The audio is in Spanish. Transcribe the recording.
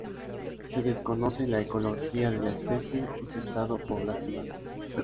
Se desconoce la ecología de la especie y su estado poblacional.